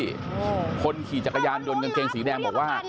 โอ้โฮต้องหยุดนะวิพักกันนะคนขี่จักรยานโดนกางเกงสีแดงปะ